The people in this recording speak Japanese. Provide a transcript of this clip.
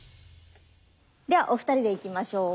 ではお二人でいきましょう。